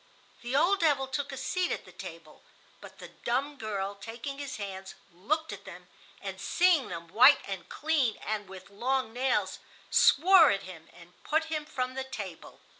The old devil took a seat at the table, but the dumb girl, taking his hands, looked at them, and seeing them white and clean, and with long nails, swore at him and put him from the table.